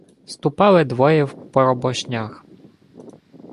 — Ступали двоє в поробошнях.